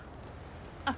あっ。